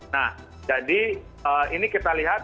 nah jadi ini kita lihat